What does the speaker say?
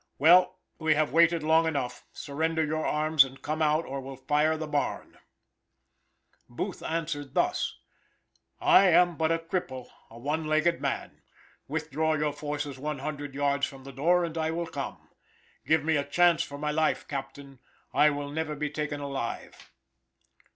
"Well, we have waited long enough; surrender your arms and come out, or we'll fire the barn." Booth answered thus: "I am but a cripple, a one legged man. Withdraw your forces one hundred yard from the door, and I will come. Give me a chance for my life, captain. I will never be taken alive."